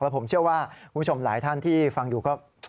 ผมเชื่อว่าคุณผู้ชมหลายท่านที่ฟังอยู่ก็